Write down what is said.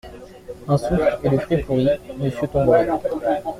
Un souffle, et le fruit pourri, Monsieur, tomberait!